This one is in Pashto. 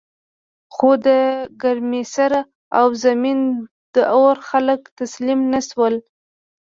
خو د ګرمسیر او زمین داور خلک تسلیم نشول.